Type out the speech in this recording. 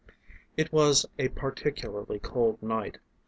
V It was a particularly cold night.